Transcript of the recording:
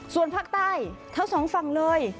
ส่วนภาคใต้เท่า๒ฝั่งเลย